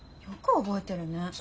よく覚えてるね。